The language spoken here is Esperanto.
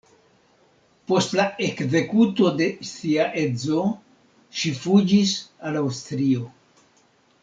Post la ekzekuto de sia edzo ŝi fuĝis al Aŭstrio.